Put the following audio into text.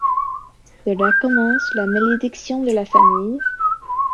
De là commence la malédiction de la famille...